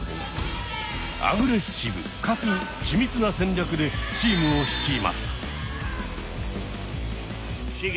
アグレッシブかつ緻密な戦略でチームを率います。